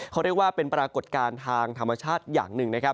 เขาเรียกว่าเป็นปรากฏการณ์ทางธรรมชาติอย่างหนึ่งนะครับ